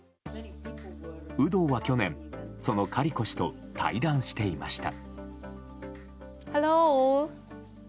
有働は去年、そのカリコ氏と対談していました。